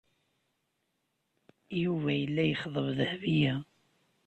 Yuba yella yexḍeb Dahbiya.